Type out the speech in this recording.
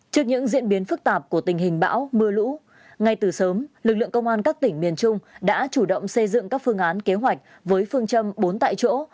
trước những diễn biến phức tạp của tình hình bão mưa lũ ngay từ sớm lực lượng công an các tỉnh miền trung đã chủ động xây dựng các phương án kế hoạch với phương châm bốn tại chỗ